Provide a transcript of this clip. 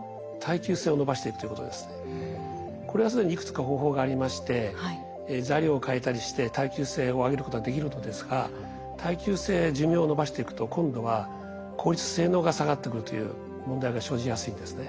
これは既にいくつか方法がありまして材料を変えたりして耐久性を上げることができるのですが耐久性や寿命をのばしていくと今度は効率・性能が下がってくるという問題が生じやすいんですね。